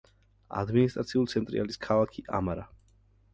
ადმინისტრაციული ცენტრი არის ქალაქი ამარა.